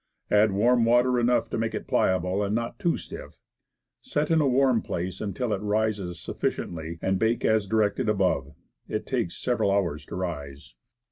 Add warm water enough to make it pliable, and not too stiff; set in a warm place until it rises sufficiently, and bake as directed above. It takes several hours to rise.